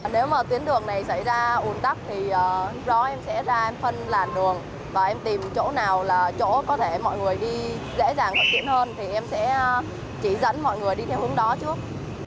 nếu mà tuyến đường này xảy ra ổng tắc thì rõ em sẽ ra em phân làn đường và em tìm chỗ nào là chỗ có thể mọi người đi dễ dàng hơn thì em sẽ chỉ dẫn mọi người đi theo hướng đó trước